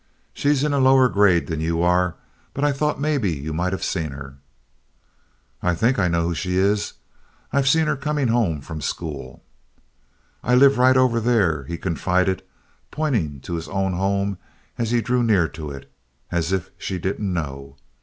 "She's in a lower grade than you are, but I thought maybe you might have seen her." "I think I know who she is. I've seen her coming home from school." "I live right over there," he confided, pointing to his own home as he drew near to it, as if she didn't know.